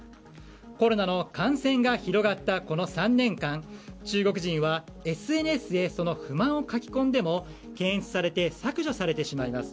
コロナの感染が広がったこの３年間中国人はＳＮＳで不満を書き込んでも検閲されて削除されてしまいます。